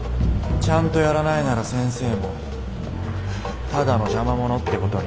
ちゃんとやらないなら先生もただの「邪魔者」ってことに。